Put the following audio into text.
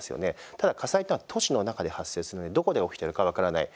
ただ、火災ってのは都市の中で発生するのでどこで起きてるか分からない。